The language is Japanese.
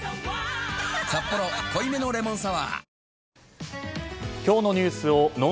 「サッポロ濃いめのレモンサワー」